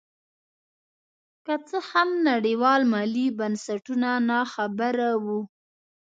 که څه هم نړیوال مالي بنسټونه نا خبره وو.